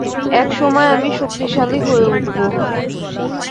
একসময় আমি শক্তিশালী হয়ে উঠবো।